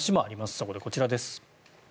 そこでこちらです。